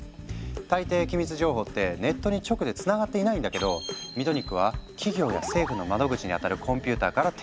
大抵機密情報ってネットに直でつながっていないんだけどミトニックは企業や政府の窓口にあたるコンピューターから手を付ける。